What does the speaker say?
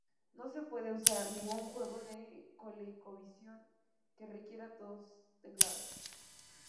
No se puede usar ningún juego de ColecoVision que requiera dos teclados.